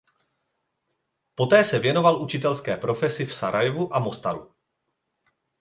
Poté se věnoval učitelské profesi v Sarajevu a Mostaru.